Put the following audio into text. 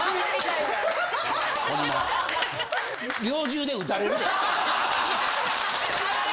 猟銃で撃たれるで。